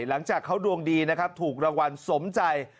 หลังจากเขาดวงดีนะครับถูกรางวัลสมใจ